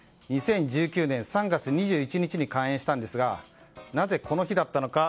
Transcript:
２０１９年３月２１日に開園したんですがなぜ、この日だったのか。